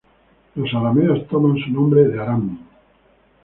Los arameos toman su nombre de Aram.